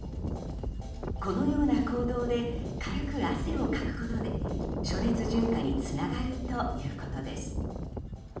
このような行動で軽く汗をかくことで暑熱順化につながるということです。